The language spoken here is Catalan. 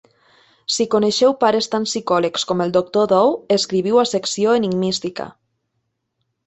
Si coneixeu pares tan psicòlegs com el doctor Dou, escriviu a Secció Enigmística.